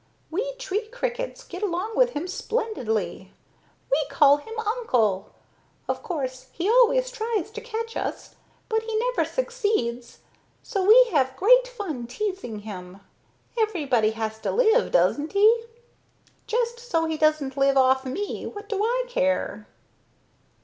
We tree crickets get along with him splendidly. We call him Uncle. Of course he always tries to catch us, but he never succeeds, so we have great fun teasing him. Everybody has to live, doesn't he? Just so he doesn't live off me, what do I care?"